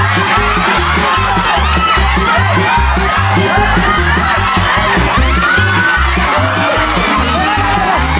เขาก็เสร็จแม่ง